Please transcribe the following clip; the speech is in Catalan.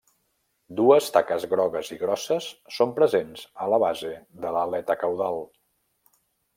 Dues taques grogues i grosses són presents a la base de l'aleta caudal.